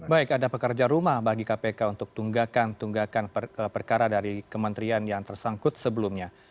baik ada pekerja rumah bagi kpk untuk tunggakan tunggakan perkara dari kementerian yang tersangkut sebelumnya